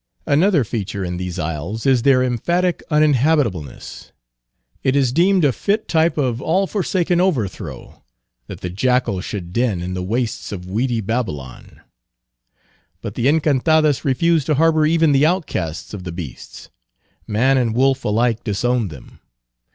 Another feature in these isles is their emphatic uninhabitableness. It is deemed a fit type of all forsaken overthrow, that the jackal should den in the wastes of weedy Babylon; but the Encantadas refuse to harbor even the outcasts of the beasts. Man and wolf alike disown them.